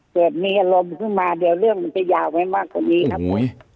เกิดมีอารมณ์ขึ้นมาเดี๋ยวเรื่องมันจะยาวไว้มากกว่านี้นะ